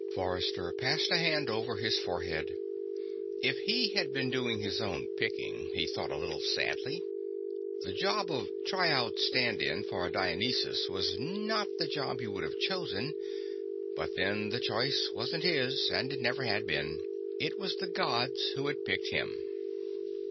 Forrester passed a hand over his forehead. If he had been doing his own picking, he thought a little sadly, the job of tryout stand in for Dionysus was not the job he would have chosen. But then, the choice wasn't his, and it never had been. It was the Gods who had picked him.